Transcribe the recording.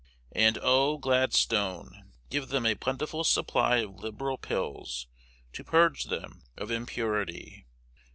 And, oh, Gladstone, give them a plentiful supply of Liberal pills, to purge them of impurity.